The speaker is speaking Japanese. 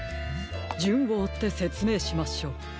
じゅんをおってせつめいしましょう。